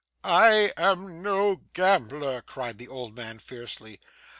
'I am no gambler,' cried the old man fiercely.